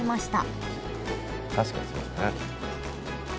確かにそうだね。